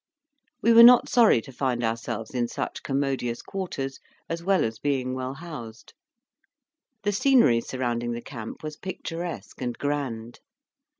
We were not sorry to find ourselves in such commodious quarters, as well as being well housed. The scenery surrounding the camp was picturesque and grand.